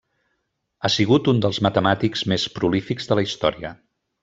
Ha sigut un dels matemàtics més prolífics de la història.